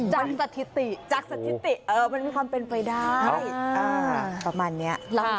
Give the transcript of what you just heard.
จากสถิติมันมีความเป็นไปได้ประมาณนี้